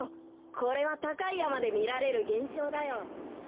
これはたかいやまでみられるげんしょうだよ。